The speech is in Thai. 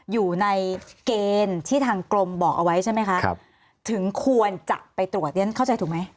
อยู่ในเกณฑ์ที่ทางกรมบอกเอาไว้ใช่ไหมคะครับถึงควรจะไปตรวจเรียนเข้าใจถูกไหม